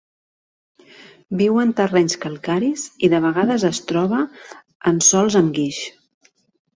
Viu en terrenys calcaris i de vegades es troba en sòls amb guix.